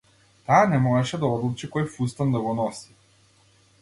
Таа не можеше да одлучи кој фустан да го носи.